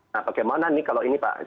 nah bagaimana ini pak